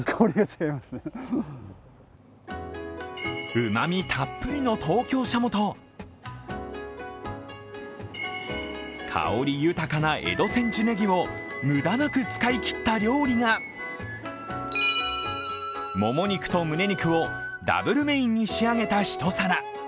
うまみたっぷりの東京しゃもと、香り豊かな江戸千住葱を無駄なく使いきった料理がもも肉とむね肉をダブルメーンに仕上げた一皿。